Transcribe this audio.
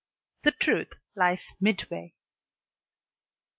The truth lies midway.